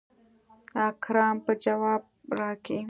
اکرم به جواب راکي.